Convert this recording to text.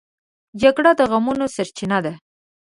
جګړه د غمونو سرچینه ده